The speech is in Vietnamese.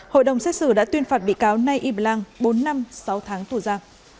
hội đồng xét xử đã tuyên phạt bị cáo nay yip lang bốn năm sáu tháng tù gia